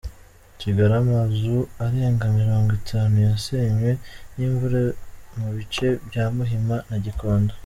Kigali Amazu arenga mirongwitanu yasenywe n’imvura mu bice bya Muhima na Gikondo